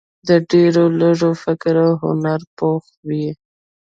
د ډېرو لږو فکر او هنر پوخ وي.